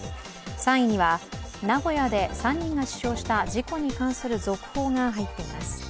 ３位には名古屋で３人が死傷した事故に関する続報が入っています。